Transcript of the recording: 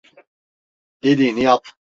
Dediğini yap!